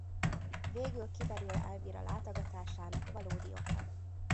Végül kiderül Elvira látogatásának valódi oka.